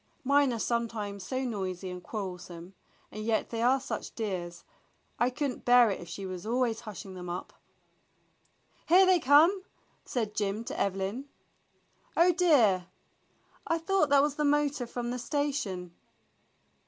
"Mine are sometimes so noisy and quar relsome, and yet they are such dears, I could n't bear it if she were always hushing them up." "Here they come!" said Jim to Evelyn. "Oh, dear, I thought that was the motor from the station."